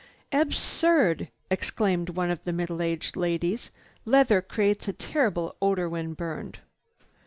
"Absurd!" exclaimed one of the middle aged ladies. "Leather creates a terrible odor when burned."